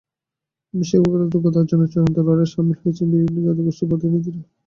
বিশ্বকাপে খেলার যোগ্যতা অর্জনের চূড়ান্ত লড়াইয়ে শামিল হয়েছিলেন বিভিন্ন জাতিগোষ্ঠীর প্রতিনিধিরা।